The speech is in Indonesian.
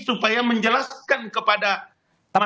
supaya menjelaskan kepada masyarakat